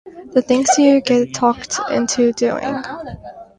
The things you get talked into doing!